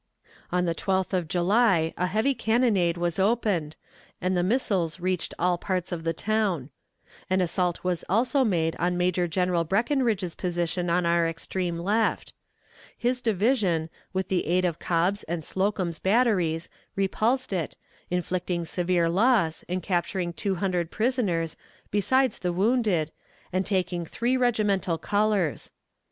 On the 12th of July a heavy cannonade was opened, and the missiles reached all parts of the town. An assault was also made on Major General Breckinridge's position on our extreme left. His division, with the aid of Cobb's and Slocum's batteries, repulsed it, inflicting severe loss, and capturing two hundred prisoners, besides the wounded, and taking three regimental colors.